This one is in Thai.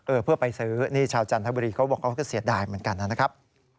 เพื่อไปซื้อนี่ชาวจันทบุรีเขาบอกเขาก็เสียดายเหมือนกันนะครับ